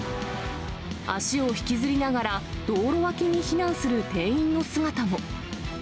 足を引きずりながら道路脇に避難する店員の姿も。